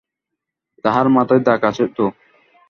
তাহার মাথায় দাগ আছে তো?